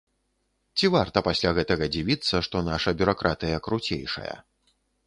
Ці варта пасля гэтага дзівіцца, што наша бюракратыя круцейшая.